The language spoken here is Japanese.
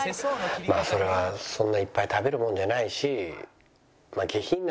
まあそれはそんないっぱい食べるものじゃないし下品なんでしょうね